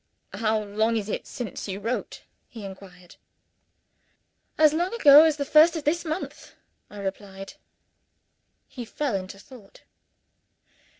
"How long is it since you wrote?" he inquired. "As long ago as the first of this month," I replied. He fell into thought.